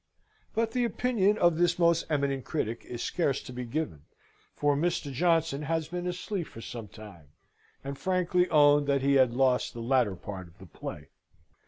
But the opinion of this most eminent critic is scarce to be given, for Mr. Johnson had been asleep for some time, and frankly owned that he had lost the latter part of the play.